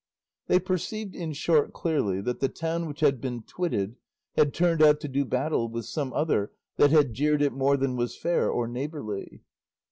They perceived, in short, clearly that the town which had been twitted had turned out to do battle with some other that had jeered it more than was fair or neighbourly.